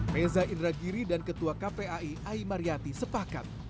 reza indragiri dan ketua kpai a i maryati sepakat